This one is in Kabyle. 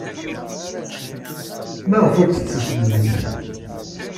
Maɣef ur d-tettasem zik?